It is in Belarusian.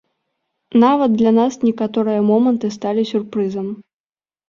Нават для нас некаторыя моманты сталі сюрпрызам.